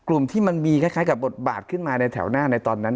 กลุ่มที่มันมีคล้ายกับบทบาทขึ้นมาในแถวหน้าในตอนนั้น